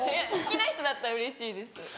好きな人だったらうれしいです。